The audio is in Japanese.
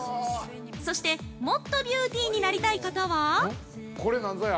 そして、もっとビューティになりたい方は◆これ、何ぞや。